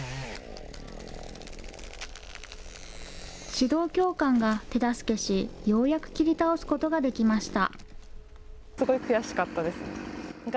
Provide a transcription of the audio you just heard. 指導教官が手助けし、ようやく切り倒すことができました。